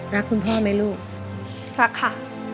เรา